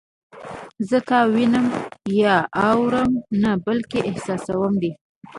زه تا وینم یا اورم نه بلکې احساسوم دې